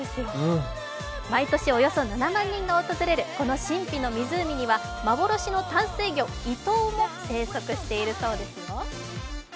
毎年およそ７万人が訪れる神秘な湖には幻の淡水魚・イトウも生息しているそうですよ。